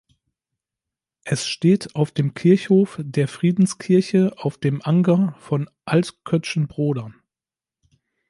Es steht auf dem Kirchhof der Friedenskirche auf dem Anger von Altkötzschenbroda.